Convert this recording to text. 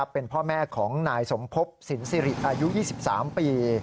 เป็นพ่อแม่ของนายสมภพสินสิริอายุ๒๓ปี